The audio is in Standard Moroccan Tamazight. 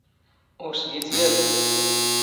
ⵓⵔ ⵜⴳⵉⵜ ⵢⴰⵜ.